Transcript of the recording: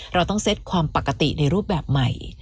เราต้องเซ็ตความปกติในรูปแบบใหม่